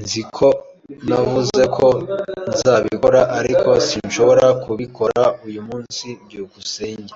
Nzi ko navuze ko nzabikora, ariko sinshobora kubikora uyu munsi. byukusenge